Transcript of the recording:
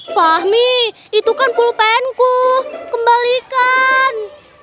fahmi itu kan pulpenku kembalikan